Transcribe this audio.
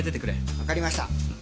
わかりました。